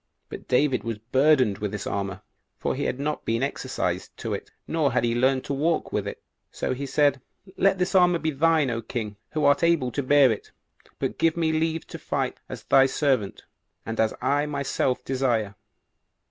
But David was burdened with his armor, for he had not been exercised to it, nor had he learned to walk with it; so he said, "Let this armor be thine, O king, who art able to bear it; but give me leave to fight as thy servant, and as I myself desire."